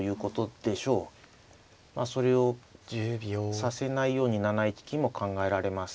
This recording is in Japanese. それをさせないように７一金も考えられます。